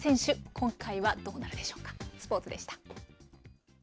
今回はどうなるでしょうか。